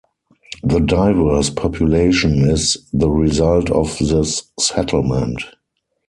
The diverse population is the result of this settlement.